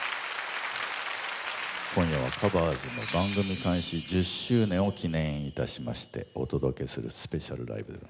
今夜は「カバーズ」の番組開始１０周年を記念いたしましてお届けするスペシャルライブです。